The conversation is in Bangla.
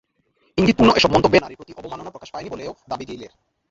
ইঙ্গিতপূর্ণ এসব মন্তব্যে নারীর প্রতি অবমাননা প্রকাশ পায়নি বলেও দাবি গেইলের।